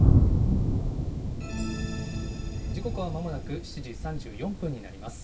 時刻はまもなく７時３４分になります。